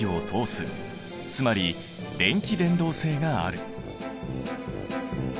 つまり電気伝導性がある。